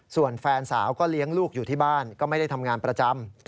ส่วนแฟนสาวก็เลี้ยงลูกอยู่ที่บ้านก็ไม่ได้ทำงานประจำ